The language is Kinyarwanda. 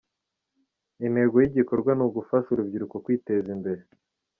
Intego y’igikorwa ni ugufasha urubyiruko kwiteza imbere.